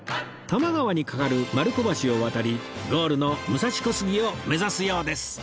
多摩川に架かる丸子橋を渡りゴールの武蔵小杉を目指すようです